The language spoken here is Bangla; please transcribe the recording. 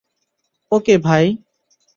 ওকে, ভাই।